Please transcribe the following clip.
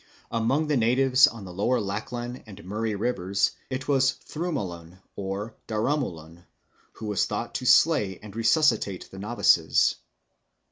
Among the natives on the Lower Lachlan and Murray Rivers it was Thrumalun (Daramulun) who was thought to slay and resuscitate the novices.